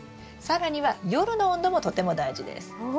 更には夜の温度もとても大事です。